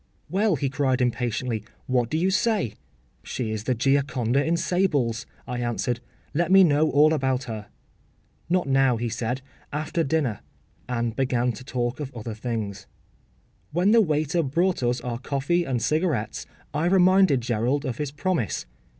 ‘Well,’ he cried impatiently, ‘what do you say?’ ‘She is the Gioconda in sables,’ I answered. ‘Let me know all about her.’ ‘Not now,’ he said; ‘after dinner,’ and began to talk of other things. When the waiter brought us our coffee and cigarettes I reminded Gerald of his promise.